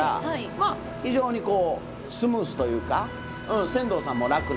まあ非常にこうスムーズというか船頭さんも楽なんですけど。